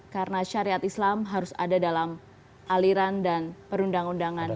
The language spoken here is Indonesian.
karena syariat islam harus ada dalam aliran dan perundang undangan negeri